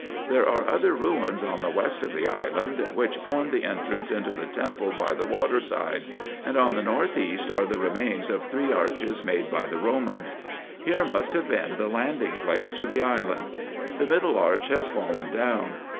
There are other ruins on the west of the island, which formed the entrance into the temple by the water side ; and on the north east are the remains of three arches made by the Romans. Here must have been the landing place to the island. The middle arch has fallen down.